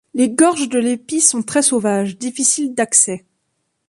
Les gorges de l'Épi sont très sauvages, difficiles d'accès.